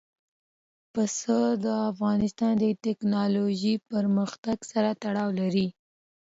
پسه د افغانستان د تکنالوژۍ پرمختګ سره تړاو لري.